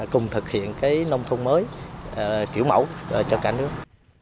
cùng thực hiện nông thôn mới kiểu mẫu cho cả nước